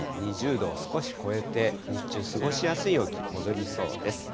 ２０度を少し超えて、日中過ごしやすい陽気、戻りそうです。